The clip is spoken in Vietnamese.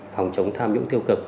phòng chống tham nhũng tiêu cực